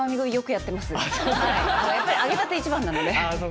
やっぱり揚げたて一番なので。